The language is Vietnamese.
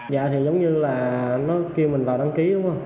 dạ thì giống như là nó kêu mình vào đăng ký